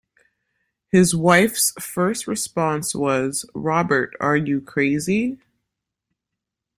His wife's first response was, Robert, are you crazy?